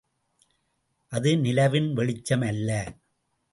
அது நிலவின் வெளிச்சம் அல்ல.